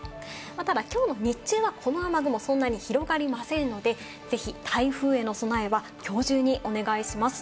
ただ、きょうの日中はこの雨雲そんなに広がりませんので、ぜひ台風への備えは今日中にお願いします。